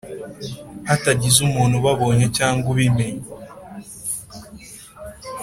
hatagize umuntu ubabonye cyangwa ubimenye